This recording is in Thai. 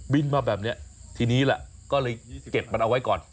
มาแบบนี้ทีนี้แหละก็เลยเก็บมันเอาไว้ก่อน